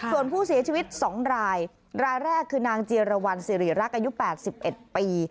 ส่วนผู้เสียชีวิต๒รายรายแรกคือนางเจียรวรรณสิริรักษ์อายุ๘๑ปี